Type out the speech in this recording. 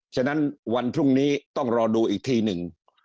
ฉะนั้นวันพรุ่งนี้ต้องรอดูอีกทีหนึ่ง